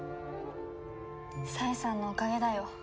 冴さんのおかげだよ。